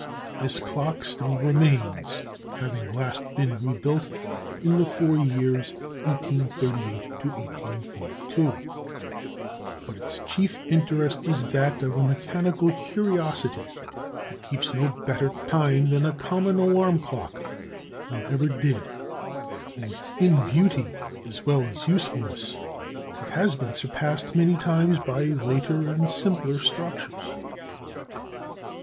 This clock still remains, having last been rebuilt in the four years 1838 to 1842. But its chief interest is that of a mechanical curiosity. It keeps no better time than a common alarm clock, nor ever did. And in beauty as well as usefulness, it has been surpassed many times by later and simpler structures.